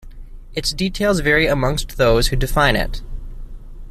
Its details vary amongst those who define it.